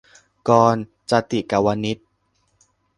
- กรณ์ จาติกวณิช